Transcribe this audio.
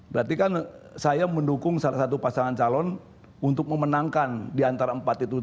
berarti kan saya mendukung salah satu pasangan calon untuk memenangkan diantara empat itu